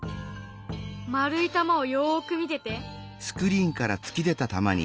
丸い玉をよく見てて！